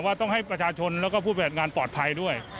ว่าต้องให้ประชาชนแล้วก็ผู้จัดงานปลอดภัยด้วย